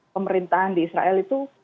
pemerintahan di israel itu